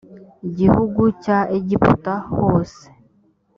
gihugu cya egiputa hose